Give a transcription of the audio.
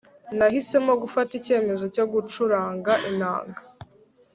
nahisemo gufata icyemezo cyo gucuranga inanga